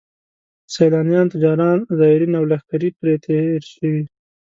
سیلانیان، تجاران، زایرین او لښکرې پرې تېر شوي.